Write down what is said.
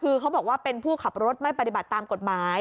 คือเขาบอกว่าเป็นผู้ขับรถไม่ปฏิบัติตามกฎหมาย